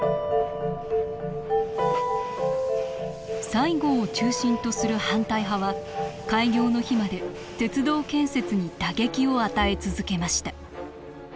西郷を中心とする反対派は開業の日まで鉄道建設に打撃を与え続けました。